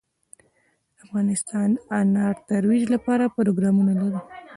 افغانستان د انار د ترویج لپاره پروګرامونه لري.